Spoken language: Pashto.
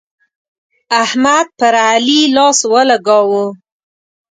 احمد پر علي لاس ولګاوو.